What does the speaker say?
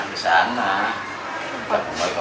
kalau bakat nyaman enak enak di sana